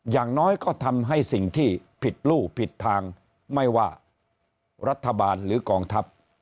อย่างน้อยก็ทำให้สิ่งที่ผิดลู่ผิดทางไม่ว่ารัฐบาลหรือกองทัพ